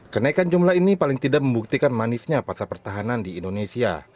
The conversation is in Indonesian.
kenaikan jumlah ini paling tidak membuktikan manisnya pasar pertahanan di indonesia